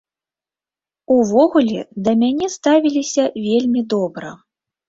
Увогуле, да мяне ставіліся вельмі добра.